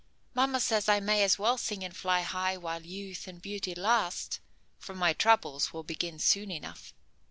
Mamma says I may as well sing and fly high while youth and beauty last, for my troubles will begin soon enough.